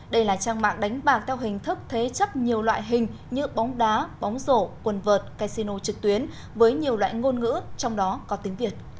đây là trang mạng đánh bạc theo hình thức thế chấp nhiều loại hình như bóng đá bóng rổ quần vợt casino trực tuyến với nhiều loại ngôn ngữ trong đó có tiếng việt